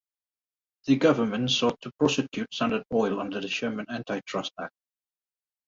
The government sought to prosecute Standard Oil under the Sherman Antitrust Act.